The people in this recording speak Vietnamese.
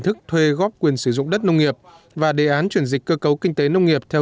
thức thuê góp quyền sử dụng đất nông nghiệp và đề án chuyển dịch cơ cấu kinh tế nông nghiệp theo